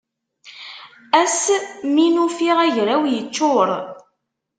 Ass mi n-ufiɣ agraw yeččur.